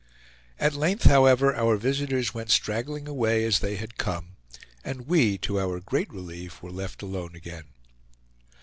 At length however our visitors went straggling away as they had come, and we, to our great relief, were left alone again.